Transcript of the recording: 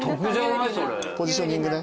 ポジショニングね。